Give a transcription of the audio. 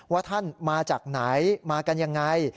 ว่าท่านมาจากไหนมากันยังไง